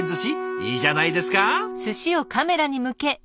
いいじゃないですか！